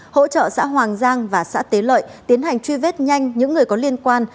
hỗ trợ xã hoàng giang và xã tế lợi tiến hành truy vết nhanh những người có liên quan